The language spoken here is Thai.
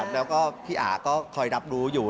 แล้วก็พี่อาก็คอยรับรู้อยู่